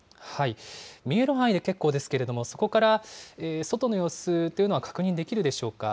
見える範囲で結構ですけれども、そこから外の様子というのは確認できるでしょうか？